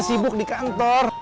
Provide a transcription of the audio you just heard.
sibuk di kantor